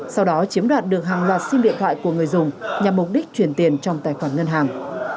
sau đó chiếm đoạt được hàng loạt sim điện thoại của người dùng nhằm mục đích chuyển tiền trong tài khoản ngân hàng